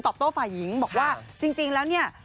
โต้ฝ่ายหญิงบอกว่าจริงแล้วเนี่ย